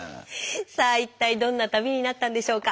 さあ一体どんな旅になったんでしょうか？